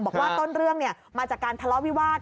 บอกว่าต้นเรื่องมาจากการทะเลาะวิวาส